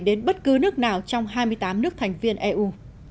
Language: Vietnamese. đến bất cứ nước nào trong hai mươi tám nước thành viên eu